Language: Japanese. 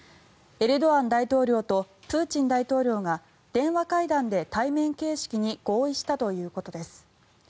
エルドアン大統領とプーチン大統領が電話会談で対面形式に合意したということです。